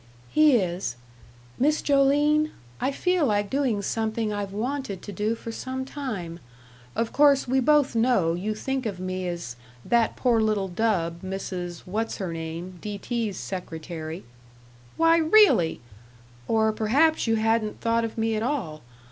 "He is.... Miss Joline, I feel like doing something I've wanted to do for some time. Of course we both know you think of me as 'that poor little dub, Mrs. What's her name, D. T.'s secretary '" "Why, really "" or perhaps you hadn't thought of me at all.